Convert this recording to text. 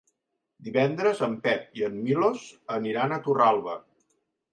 Divendres en Pep i en Milos aniran a Torralba.